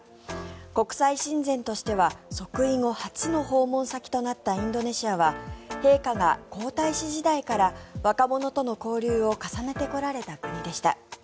国際親善としては即位後は初の訪問先となったインドネシアは陛下が皇太子時代から若者との交流を重ねてこられた国でした。